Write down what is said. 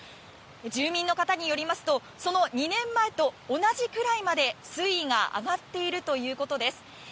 住民の方によりますとその２年前と同じぐらいまで水位が上がっているということです。